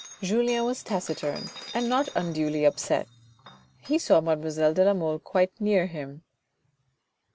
Julien was taciturn, and not un duly upset. He saw mademoiselle de la Mole quite near him.